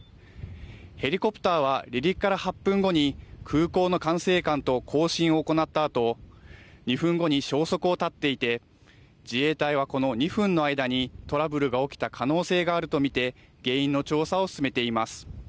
ヘリコプターは離陸から８分後に空港の管制官と交信を行ったあと２分後に消息を絶っていて自衛隊は、この２分の間にトラブルが起きた可能性があると見て原因の調査を進めています。